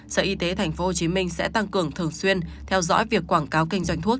sở y tế tp hcm sẽ tăng cường thường xuyên theo dõi việc quảng cáo kinh doanh thuốc